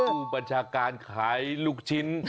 ผู้บัญชาการขายลูกชิ้น